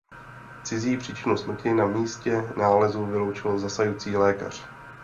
Cizí příčinu smrti na místě nálezu vyloučil zasahující lékař.